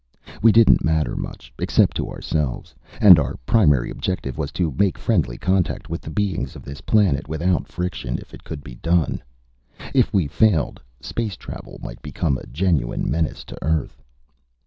We didn't matter much, except to ourselves. And our primary objective was to make friendly contact with the beings of this planet, without friction, if it could be done. If we failed, space travel might become a genuine menace to Earth.